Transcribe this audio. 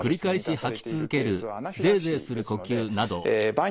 はい。